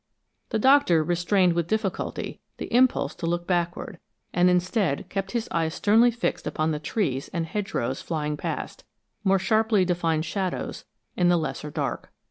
The Doctor restrained with difficulty the impulse to look backward, and instead kept his eyes sternly fixed upon the trees and hedge rows flying past, more sharply defined shadows in the lesser dark.